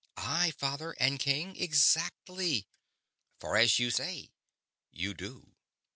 "Aye, father and king, exactly for as you say, you do."